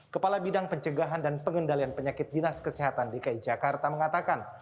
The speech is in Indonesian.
kepala bidang pencegahan dan pengendalian penyakit dinas kesehatan dki jakarta mengatakan